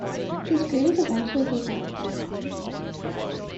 His greed is eventually his downfall.